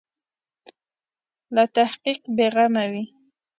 له تحقیق بې غمه وي.